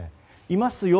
いますよ